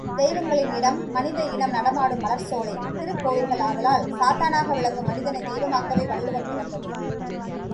தெய்வங்களின் இடம் மனித இனம் நடமாடும் மலர்ச்சோலை திருக்கோயில்கள் ஆதலால், சாத்தானாக விளங்கும் மனிதனைத் தெய்வமாக்கவே வள்ளுவம் பிறந்தது.